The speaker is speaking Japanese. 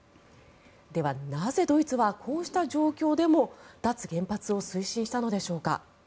では、なぜドイツはこうした状況でも脱原発を推進したのでしょうか。